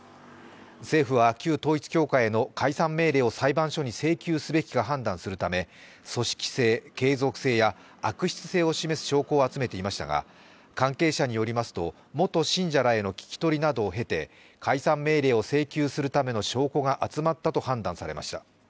政府は旧統一教会の解散命令を裁判所に請求すべきか判断するため組織性、継続性や悪質性を示す証拠を集めていましたが、関係者に寄りますと元信者らへの聞き取りなどを経て解散命令を請求するための証拠が集まったと判断されました。